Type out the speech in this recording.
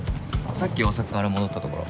さっき大阪から戻ったところ。